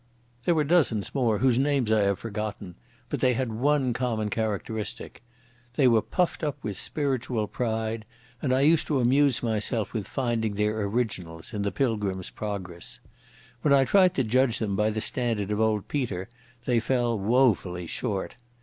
There were dozens more whose names I have forgotten, but they had one common characteristic. They were puffed up with spiritual pride, and I used to amuse myself with finding their originals in the Pilgrim's Progress. When I tried to judge them by the standard of old Peter, they fell woefully short.